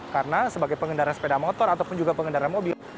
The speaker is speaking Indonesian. karena sebagai pengendara sepeda motor ataupun juga pengendara mobil